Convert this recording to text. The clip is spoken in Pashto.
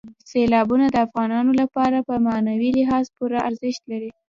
سیلابونه د افغانانو لپاره په معنوي لحاظ پوره ارزښت لري.